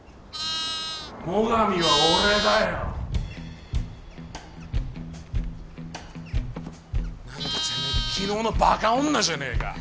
・最上は俺だよ。何だてめえ昨日のバカ女じゃねえか。